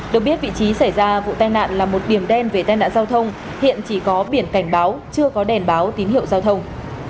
được biết vị trí xảy ra vụ tai nạn là một điểm đen về tai nạn giao thông hiện chỉ có biển cảnh báo chưa có đèn báo tín hiệu giao thông